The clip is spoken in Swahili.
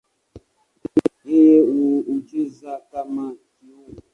Yeye hucheza kama kiungo.